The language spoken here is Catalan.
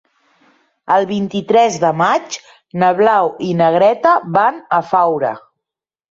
El vint-i-tres de maig na Blau i na Greta van a Faura.